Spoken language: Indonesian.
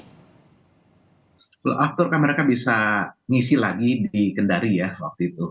kalau aftur kan mereka bisa ngisi lagi di kendari ya waktu itu